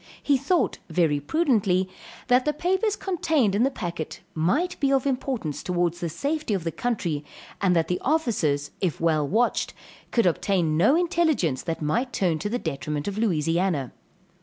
He thought very prudently that the papers contained in the packet might be of importance towards the safety of the country and that the officers if well watched could obtain no intelligence that might turn to the detriment of Louisiana.